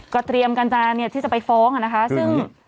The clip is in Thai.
ก็เตรียมกันจากนี้ที่จะไปฟ้องค่ะนะคะซึ่ง